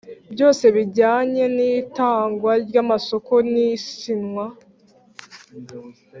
Byose bijyanye n itangwa ry amasoko n isinywa